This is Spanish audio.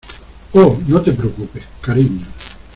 Oh, no te preocupes , cariño.